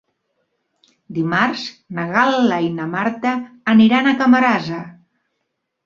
Dimarts na Gal·la i na Marta aniran a Camarasa.